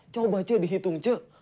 coba cek dihitung cek